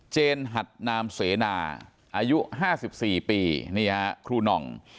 เจนหัตนามเสนาอายุห้าสิบสี่ปีนี่ฮะครูนอง